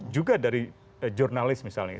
juga dari jurnalis misalnya